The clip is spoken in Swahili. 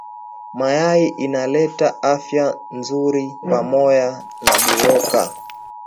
Mayayi inaleta afya nzuri pamoya na buyoka